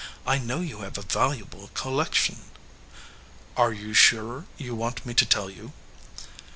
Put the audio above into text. I know you have a valuable collection." "Are you sure you want me to tell you?"